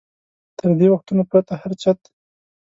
تر دې وختونو پرته هر چت.